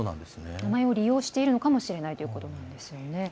名前を利用しているかもしれないということなんですね。